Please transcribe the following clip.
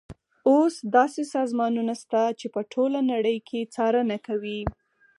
اوس داسې سازمانونه شته چې په ټوله نړۍ کې څارنه کوي.